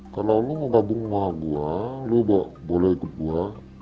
kalau lo mau gabung sama gue lo boleh ikut gue